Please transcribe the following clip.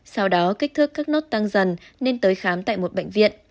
sau đó kích thước các nốt tăng dần nên tới khám tại một bệnh viện